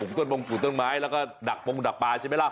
ต้นมงปลูกต้นไม้แล้วก็ดักปงดักปลาใช่ไหมล่ะ